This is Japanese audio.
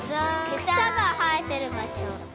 くさがはえてるばしょ。